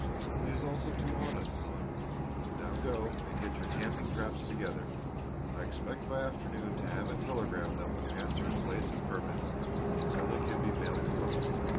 "He is also too honest, son. Now go and get your camping traps together. I expect by afternoon to have a telegram that will answer in place of permits until they can be mailed to us.